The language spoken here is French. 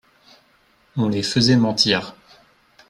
On les faisait mentir.